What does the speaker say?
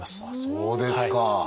そうですか！